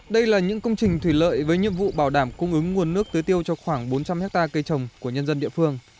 đây là những công trình thủy lợi với nhiệm vụ bảo đảm cung ứng nguồn nước tưới tiêu cho khoảng bốn trăm linh hectare cây trồng của nhân dân địa phương